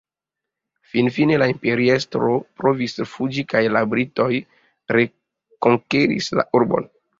Finfine la imperiestro provis fuĝi kaj la britoj rekonkeris la urbon.